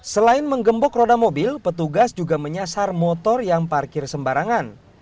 selain menggembok roda mobil petugas juga menyasar motor yang parkir sembarangan